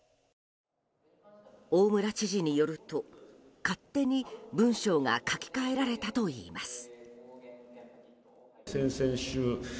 大村知事によると、勝手に文章が書き換えられたといいます。